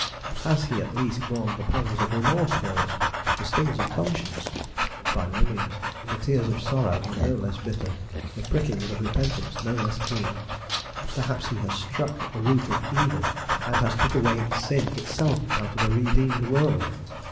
Has he at least borne the pangs of remorse for us, the stings of conscience? By no means; the tears of sorrow are no less bitter, the prickings of repentance no less keen. Perhaps he has struck at the root of evil, and has put away sin itself out of a redeemed world?